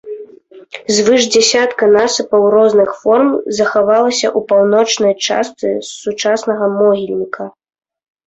Звыш дзясятка насыпаў розных форм захавалася ў паўночнай частцы сучаснага могільніка.